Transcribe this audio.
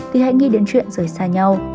thì hãy nghi đến chuyện rời xa nhau